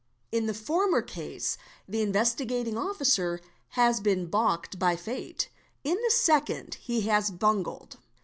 In the former case the Investigating Officer has been baulked by fate, in the second he has bungled.